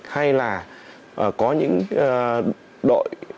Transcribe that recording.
hay là có những đội